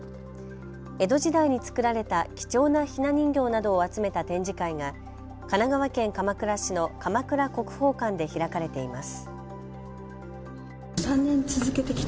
江戸時代に作られた貴重なひな人形などを集めた展示会が神奈川県鎌倉市の鎌倉国宝館で開かれています。